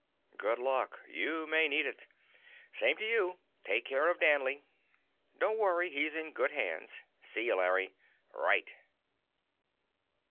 "Good luck. You may need it." "Same to you. Take care of Danley." "Don't worry. He's in good hands. See you, Larry." "Right."